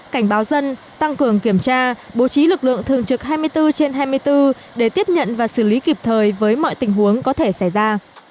cảnh báo dân tăng cường kiểm tra bố trí lực lượng thường trực hai mươi bốn trên hai mươi bốn để tiếp nhận và xử lý kịp thời với mọi tình huống có thể xảy ra